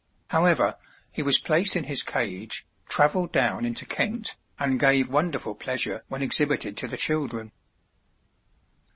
However, he was placed in his cage, travelled down into Kent, and gave wonderful pleasure when exhibited to the children.